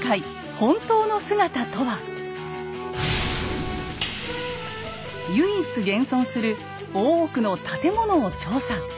本当の姿とは⁉唯一現存する大奥の建物を調査。